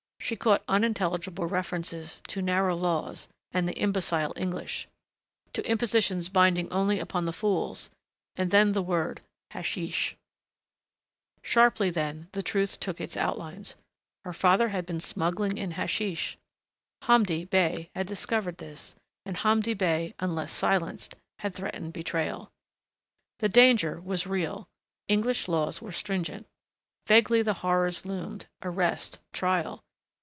She caught unintelligible references to narrow laws and the imbecile English, to impositions binding only upon the fools.... And then the word hasheesh. Sharply then the truth took its outlines. Her father had been smuggling in hasheesh. Hamdi Bey had discovered this, and Hamdi Bey, unless silenced, had threatened betrayal. The danger was real. English laws were stringent. Vaguely the horrors loomed arrest, trial....